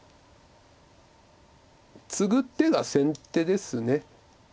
ツグ手が先手です。